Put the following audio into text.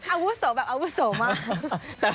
อาวุโสแบบอาวุโสมาก